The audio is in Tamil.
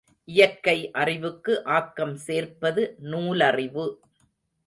இயற்கை அறிவுக்கு ஆக்கம் சேர்ப்பது நூலறிவு.